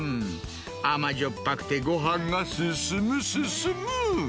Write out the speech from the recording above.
甘じょっぱくて、ごはんが進む進む。